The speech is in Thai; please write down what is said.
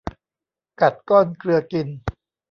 กัดก้อนเกลือกิน